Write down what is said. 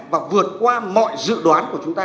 và vượt qua mọi dự đoán của chúng ta